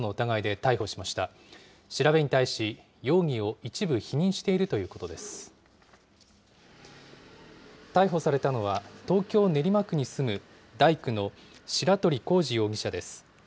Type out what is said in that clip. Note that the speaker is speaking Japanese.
逮捕されたのは、東京・練馬区に住む大工の白鳥功二容疑者です。